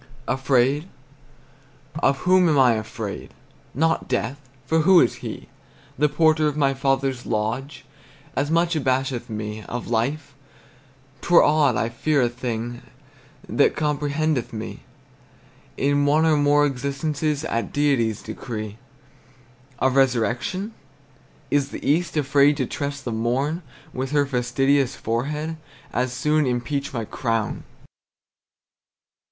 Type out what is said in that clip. Afraid? Of whom am I afraid? Not death; for who is he? The porter of my father's lodge As much abasheth me. Of life? 'T were odd I fear a thing That comprehendeth me In one or more existences At Deity's decree. Of resurrection? Is the east Afraid to trust the morn With her fastidious forehead? As soon impeach my crown!